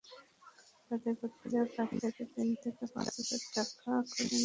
তাঁদের প্রত্যেকের কাছ থেকে তিন থেকে পাঁচ হাজার টাকা করে নেওয়া হয়েছে।